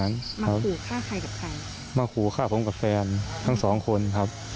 มาขู่ฆ่าใครกับใครมาขู่ฆ่าผมกับแฟนทั้งสองคนครับ